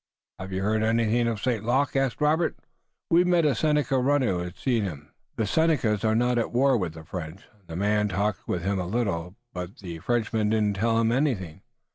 "Have you heard anything of St. Luc?" asked Robert. "We met a Seneca runner who had seen him. The Senecas are not at war with the French, and the man talked with him a little, but the Frenchman didn't tell him anything.